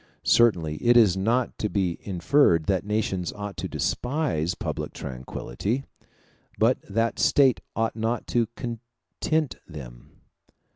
Certainly it is not to be inferred that nations ought to despise public tranquillity; but that state ought not to content them.